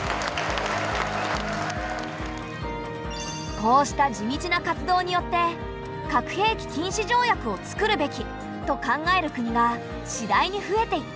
こうした地道な活動によって「核兵器禁止条約を作るべき」と考える国が次第に増えていった。